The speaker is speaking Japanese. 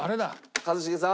一茂さん。